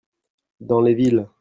Dans les villes.